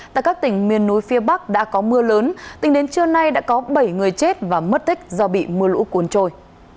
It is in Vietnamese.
tại các tỉnh miền núi phía bắc đã có mưa lớn tính đến trưa nay đã có bảy người chết và mất tích do bị mưa lũ cuốn trôi